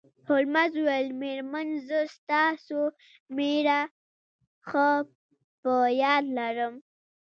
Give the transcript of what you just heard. هولمز وویل میرمن زه ستاسو میړه ښه په یاد لرم